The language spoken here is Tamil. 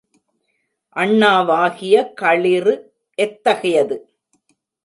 அண்ணாவாகிய களிறு எத்தகையது?